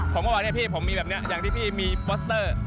ผมก็บอกเนี่ยพี่ผมมีแบบนี้อย่างที่พี่มีปอสเตอร์